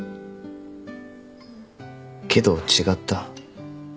けど違った。